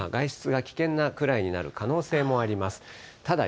外出が危険なくらいになる可能性もあります。